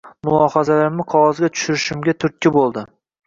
Mulohazalarimni qog’ozga tushirishimga turtki bo’ldi.